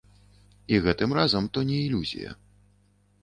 І гэтым разам то не ілюзія.